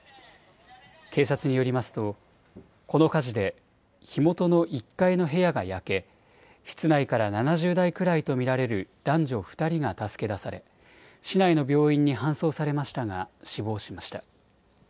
警察によりますとこの火事で火元の１階の部屋が焼け室内から７０代くらいと見られる男女２人が助け出され市内の病院に搬送されましたが死亡しました。